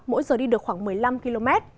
mỗi giờ đi được khoảng một mươi năm km